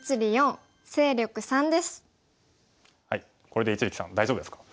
これで一力さん大丈夫ですか？